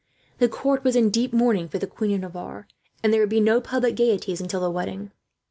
The court was in deep mourning for the Queen of Navarre, and there would be no public gaieties until the wedding.